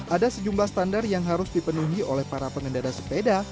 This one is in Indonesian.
ada sejumlah standar yang harus dipenuhi oleh para pengendara sepeda